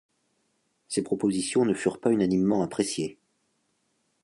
Ses propositions ne furent pas unanimement appréciées.